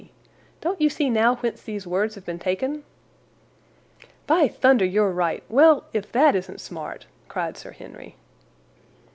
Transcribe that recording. Don't you see now whence these words have been taken?" "By thunder, you're right! Well, if that isn't smart!" cried Sir Henry.